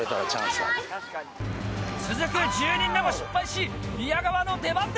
続く１０人目も失敗し宮川の出番です。